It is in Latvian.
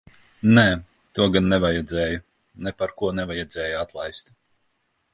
Nē, to gan nevajadzēja. Neparko nevajadzēja atlaist.